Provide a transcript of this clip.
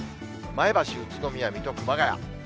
前橋、宇都宮、水戸、熊谷。